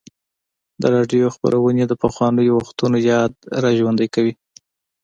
د راډیو خپرونې د پخوانیو وختونو یاد راژوندی کوي.